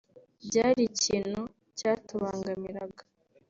Byari ikintu cyatubangamiraga